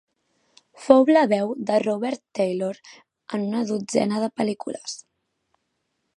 Fou la veu de Robert Taylor en una dotzena de pel·lícules.